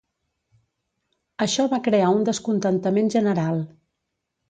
Això va crear un descontentament general.